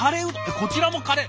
こちらもカレー。